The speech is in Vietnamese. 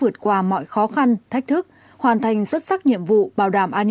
cảm ơn các bạn